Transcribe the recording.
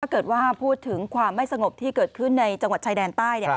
ถ้าเกิดว่าพูดถึงความไม่สงบที่เกิดขึ้นในจังหวัดชายแดนใต้